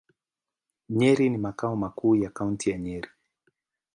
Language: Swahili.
Nyeri ni makao makuu ya Kaunti ya Nyeri.